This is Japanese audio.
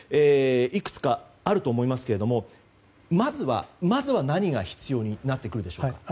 いくつかあると思いますがまずは何が必要になってくるでしょうか。